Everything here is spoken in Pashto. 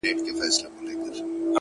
o ځوان ناست دی،